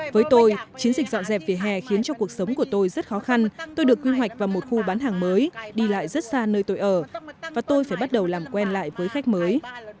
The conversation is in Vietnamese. với tôi chiến dịch dọn dẹp về hè khiến cho cuộc sống của tôi rất khó khăn tôi được quy hoạch vào một khu bán hàng mới đi lại rất xa nơi tôi ở và tôi phải bắt đầu làm quen lại với khách mới